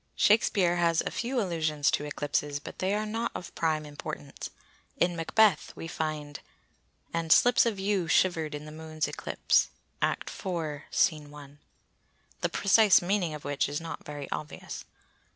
Shakespeare has a few allusions to eclipses, but they are not of prime importance. In Macbeth we find:— "And slips of yew Shivered in the Moon's eclipse" —Act iv. sc. 1. the precise meaning of which is not very obvious.